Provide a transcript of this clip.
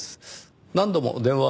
何度も電話を。